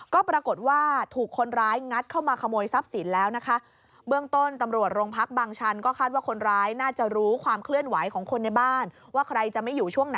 ก็ประมาณสัก๒ทุ่มคุณผู้ชม